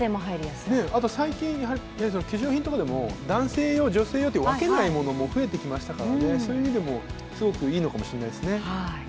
あと最近、化粧品とかでも男性用、女性用と分けないものも増えてきましたから、そういう意味でもすごくいいのかもしれないですね。